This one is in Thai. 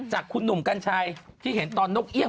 จากคุณหนุ่มกัญชัยที่เห็นตอนนกเอี่ยง